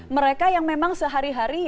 mereka yang memang sehari hari